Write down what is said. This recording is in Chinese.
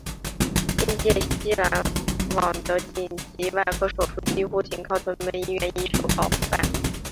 新界西联网的紧急外科手术几乎仅靠屯门医院一手包办。